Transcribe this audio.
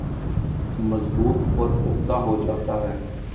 مضبوط اور پختہ ہوجاتا ہے